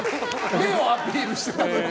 目をアピールしてたのに。